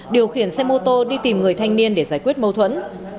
điều khiển xe mô tô đi tìm người thanh niên để giải quyết mâu thuẫn